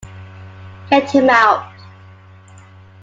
Get him out.